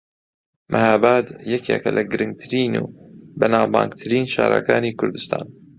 مەھاباد یەکێکە لە گرنگترین و بەناوبانگترین شارەکانی کوردستان